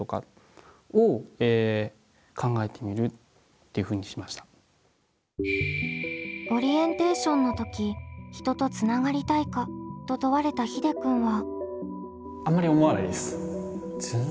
っていうのをやってみながらオリエンテーションの時「人とつながりたいか？」と問われたひでくんは。